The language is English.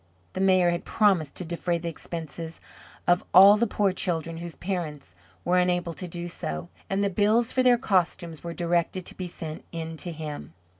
The Mayor had promised to defray the expenses of all the poor children whose parents were unable to do so, and the bills for their costumes were directed to be sent in to him.